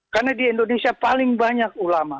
karena di indonesia paling banyak ulama